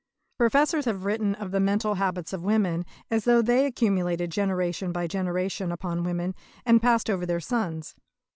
Professors have written of the mental habits of women as though they accumulated generation by generation upon women, and passed over their sons.